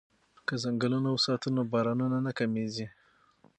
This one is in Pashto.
که ځنګلونه وساتو نو بارانونه نه کمیږي.